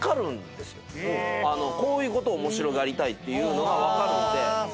こういうことを面白がりたいっていうのが分かるんで。